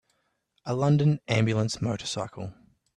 A London ambulance motorcycle.